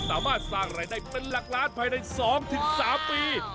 สามารถสร้างรายได้เป็นหลักล้านภายใน๒๓ปี